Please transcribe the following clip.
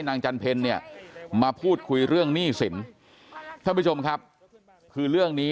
จันเพลเนี่ยมาพูดคุยเรื่องหนี้สินท่านผู้ชมครับคือเรื่องนี้